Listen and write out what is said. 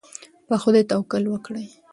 په خدای توکل وکړئ.